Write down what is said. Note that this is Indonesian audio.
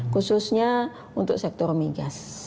khususnya untuk sektor migas